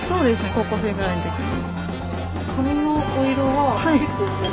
高校生ぐらいのときに。